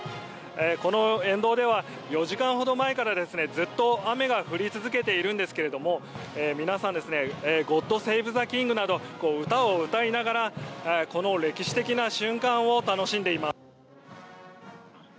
この沿道では４時間ほど前からずっと雨が降り続けているんですけれども皆さん、「ゴッド・セイブ・ザ・キング」など歌を歌いながらこの歴史的な瞬間を楽しんでいます。